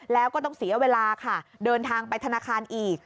แล้วก็ต้องเสียเวลาค่ะเดินทางไปธนาคารอีก